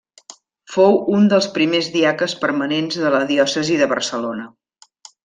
Fou un dels primers diaques permanents de la diòcesi de Barcelona.